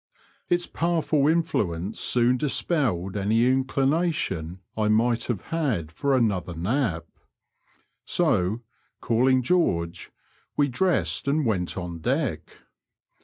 Its powerful influence scon dispelled any inclination I might have had for another nap ; so, calling George, we dressed and went on deck.